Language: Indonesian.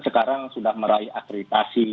sekarang sudah meraih akreditasi